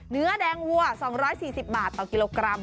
เนื้อแดงวัว๒๔๐บาทต่อกิโลกรัม